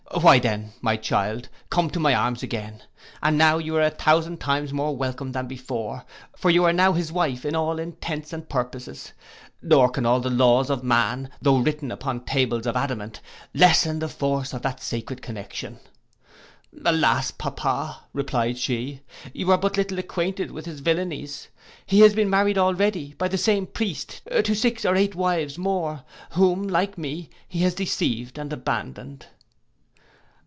'—'Why then, my child, come to my arms again, and now you are a thousand times more welcome than before; for you are now his wife to all intents and purposes; nor can all the laws of man, tho' written upon tables of adamant, lessen the force of that sacred connexion.' 'Alas, Papa,' replied she, 'you are but little acquainted with his villainies: he has been married already, by the same priest, to six or eight wives more, whom, like me, he has deceived and abandoned.